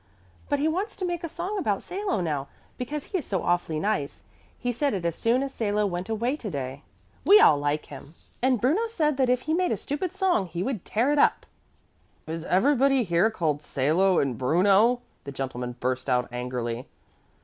But he wants to make a song about Salo now, because he is so awfully nice. He said it as soon as Salo went away today. We all like him, and Bruno said that if he made a stupid song he would tear it up." "Is everybody here called Salo and Bruno?" the gentleman burst out angrily.